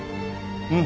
うん。